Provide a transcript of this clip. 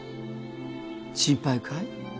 心配かい？